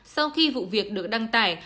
sau khi vụ việc được đăng tải